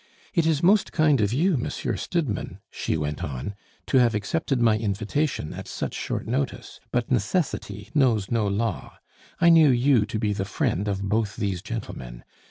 It is most kind of you, Monsieur Stidmann," she went on, "to have accepted my invitation at such short notice; but necessity knows no law. I knew you to be the friend of both these gentlemen.